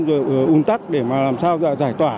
rồi un tắc để làm sao giải tỏa